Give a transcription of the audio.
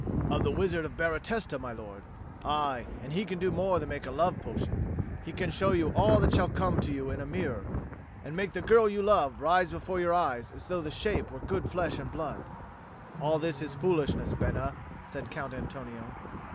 "Of the Wizard of Baratesta, my lord. Aye, and he can do more than make a love potion. He can show you all that shall come to you in a mirror, and make the girl you love rise before your eyes as though the shape were good flesh and blood." "All this is foolishness, Bena," said Count Antonio.